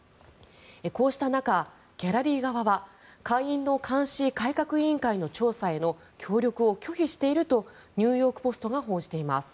こうした中、ギャラリー側は下院の監視・改革委員会への調査への協力を拒否しているとニューヨーク・ポストが報じています。